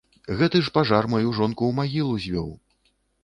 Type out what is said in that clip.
Гэты ж пажар маю жонку ў магілу звёў!